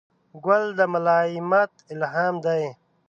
ګل د ملایمت الهام دی.